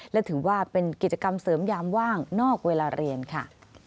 และถือว่าเป็นกิจกรรมเสริมยามว่างนอกเวลาเรียนค่ะ